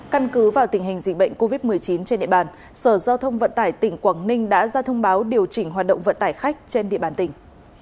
căn cứ vào tình hình dịch bệnh covid một mươi chín trên địa bàn sở giao thông vận tải tỉnh quảng ninh đã ra thông báo điều chỉnh hoạt động vận tải khách trên địa bàn tỉnh